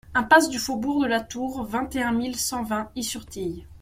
Impasse du Faubourg de la Tour, vingt et un mille cent vingt Is-sur-Tille